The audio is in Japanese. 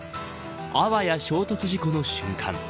あわや衝突事故の瞬間。